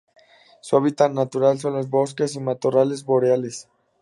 Su hábitat natural son los bosques y matorrales boreales.